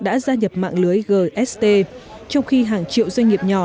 đã gia nhập mạng lưới gst trong khi hàng triệu doanh nghiệp nhỏ